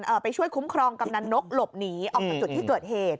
ไปช่วยคุ้มครองกำนันนกหลบหนีออกจากจุดที่เกิดเหตุ